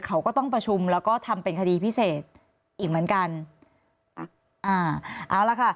เขาก็ต้องประชุมแล้วก็ทำเป็นคดีพิเศษอีกเหมือนกันอ่าเอาละค่ะ